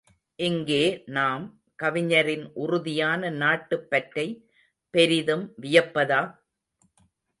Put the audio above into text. இங்கே நாம், கவிஞரின் உறுதியான நாட்டுப் பற்றைப் பெரிதும் வியப்பதா?